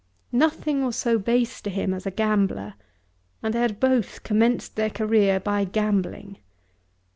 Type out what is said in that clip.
Nothing was so base to him as a gambler, and they had both commenced their career by gambling.